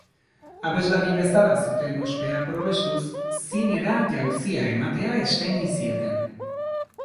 Abeslari bezala zuten ospea probestuz zinera jauzia ematea eskaini zieten.